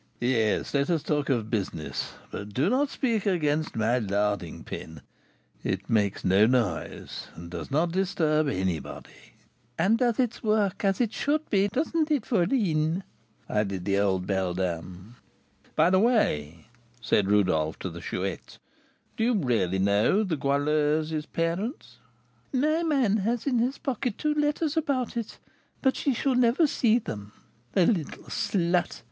"Yes, let us talk of business; but do not speak against my 'larding pin;' it makes no noise, and does not disturb anybody." "And does its work as should be; doesn't it, fourline?" added the old beldam. "By the way," said Rodolph to the Chouette, "do you really know the Goualeuse's parents?" "My man has in his pocket two letters about it, but she shall never see them, the little slut!